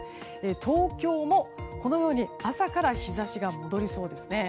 東京も朝から日差しが戻りそうですね。